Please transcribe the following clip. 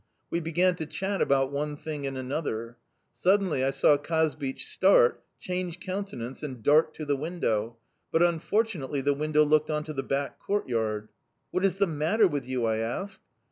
"We began to chat about one thing and another... Suddenly I saw Kazbich start, change countenance, and dart to the window; but unfortunately the window looked on to the back courtyard. "'What is the matter with you?' I asked.